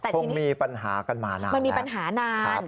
คงมีปัญหากันมานานมันมีปัญหานาน